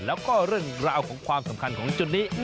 แล้วก็เรื่องราวของความสำคัญของจุดนี้